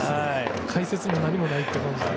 解説も何もない感じで。